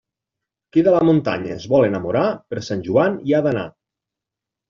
Qui de la muntanya es vol enamorar, per Sant Joan hi ha d'anar.